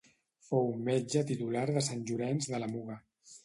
Fou metge titular de Sant Llorenç de la Muga.